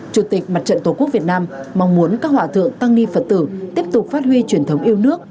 chủ tịch mặt trận tổ quốc việt nam mong muốn các hòa thượng tăng ni phật tử tiếp tục phát huy truyền thống yêu nước